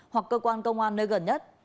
hoặc cơ quan công an nơi gần nhất